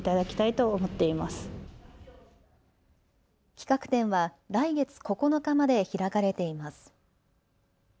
企画展は来月９日まで開かれています。